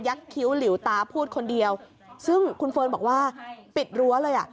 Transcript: คิ้วหลิวตาพูดคนเดียวซึ่งคุณเฟิร์นบอกว่าปิดรั้วเลยอ่ะ